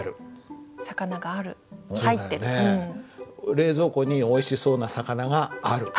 「冷蔵庫においしそうな魚がある」